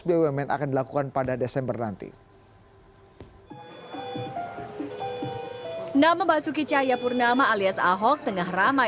bumn akan dilakukan pada desember nanti nama basuki cahayapurnama alias ahok tengah ramai